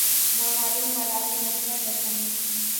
نا معلوم حالات میں مطمئن رہتا ہوں